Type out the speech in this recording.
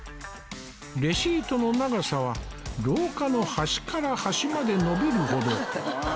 レシートの長さは廊下の端から端まで伸びるほど